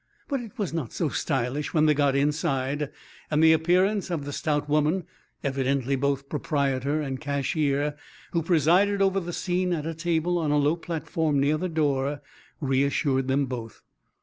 But it was not so stylish when they got inside, and the appearance of the stout woman, evidently both proprietor and cashier, who presided over the scene at a table on a low platform near the door reassured them both.